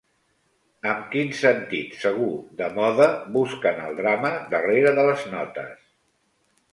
Amb quin sentit segur de moda busquen el drama darrere de les notes.